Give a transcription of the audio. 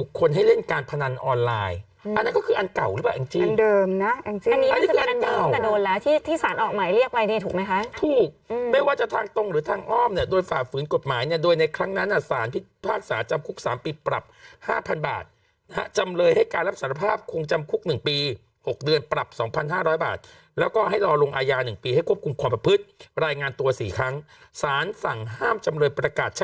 ศัยศาสตร์ศัยศาสตร์ศัยศาสตร์ศัยศาสตร์ศัยศาสตร์ศัยศาสตร์ศัยศาสตร์ศัยศาสตร์ศัยศาสตร์ศัยศาสตร์ศัยศาสตร์ศัยศาสตร์ศัยศาสตร์ศัยศาสตร์ศัยศาสตร์ศัยศาสตร์ศัยศาสตร์ศัยศาสตร์ศัย